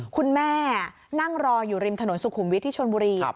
คุณแม่นั่งรออยู่ริมถนนสุขุมวิทย์ที่ชนบุรี